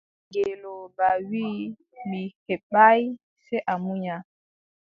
Ngelooba wii: mi heɓaay, sey a munya.